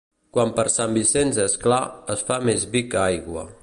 Quan per Sant Vicenç és clar, es fa més vi que aigua.